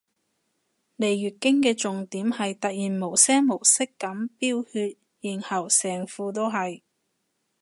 嚟月經嘅重點係突然無聲無息噉飆血然後成褲都係